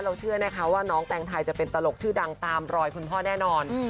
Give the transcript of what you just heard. เชื่อนะคะว่าน้องแตงไทยจะเป็นตลกชื่อดังตามรอยคุณพ่อแน่นอน